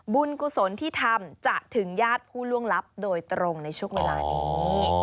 กุศลที่ทำจะถึงญาติผู้ล่วงลับโดยตรงในช่วงเวลานี้